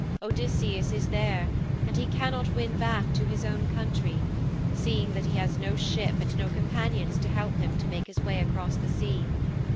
Odysseus is there, and he cannot win back to his own country, seeing that he has no ship and no companions to help him to make his way across the sea.